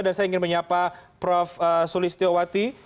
dan saya ingin menyapa prof solistyo wati